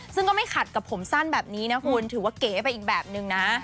ซึ่งก็ไม่ขัดกับผมสั้นแบบนี้นะคุณถือว่าเก๋ไปอีกแบบนึงนะ